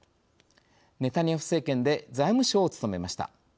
ネタニヤフ政権で財務相を務めました。